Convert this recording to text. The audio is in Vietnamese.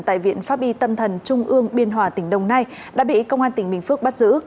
tại viện pháp y tâm thần trung ương biên hòa tỉnh đồng nai đã bị công an tỉnh bình phước bắt giữ